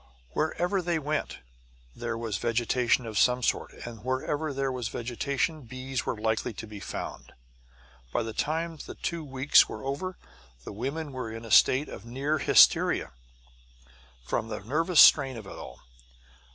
Wherever they went, there was vegetation of some sort, and wherever there was vegetation bees were likely to be found. By the time the two weeks were over, the women were in a state of near hysteria, from the nervous strain of it all.